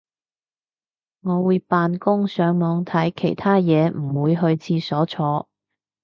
我會扮工上網睇其他嘢唔會去廁所坐